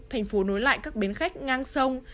thành phố nối lại các bến khách ngang sông